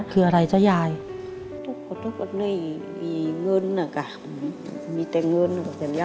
คืออะไรใช่หรือย่าย